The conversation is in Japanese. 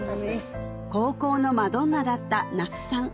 高校のマドンナだった奈須さん